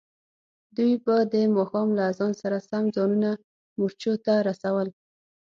دوی به د ماښام له اذان سره سم ځانونه مورچو ته رسول.